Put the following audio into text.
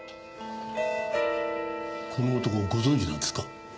この男ご存じなんですか？